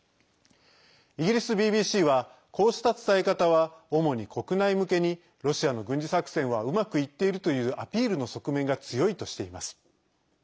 イギリスＢＢＣはこうした伝え方は主に国内向けにロシアの軍事作戦はうまくいっているというアピールの側面が強いとしています。